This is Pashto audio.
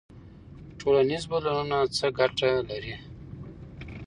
ټولنیز بدلونونه څه ګټه لري؟